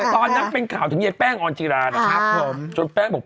ตอนนั้นเป็นข่าวถึงเยตแป้งองศิราพรจนแป้งก็บอก